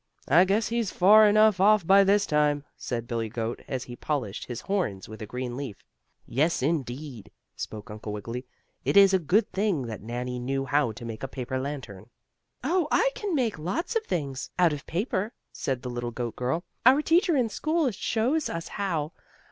"I guess he's far enough off by this time," said Billie Goat, as he polished his horns with a green leaf. "Yes, indeed," spoke Uncle Wiggily. "It is a good thing that Nannie knew how to make a paper lantern." "Oh, I can make lots of things out of paper," said the little goat girl. "Our teacher in school shows us how.